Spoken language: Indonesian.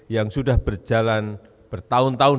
yang sudah berjalan bertahun tahun